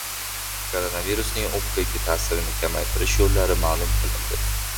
Koronavirusning o‘pkaga ta’sirini kamaytirish yo‘llari ma’lum qilindi